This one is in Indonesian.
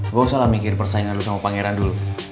gua usah mikir persaingan lu sama pangeran dulu